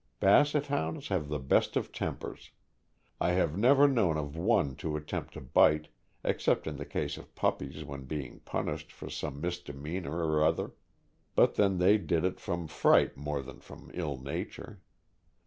Basset Hounds have the best of tempers. I have never known of one to attempt to bite, except in the case of pup pies when being punished for some misdemeanor or other, and then they did it from fright more than from ill nature.